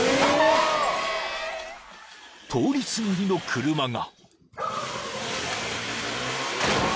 ［通りすがりの車が］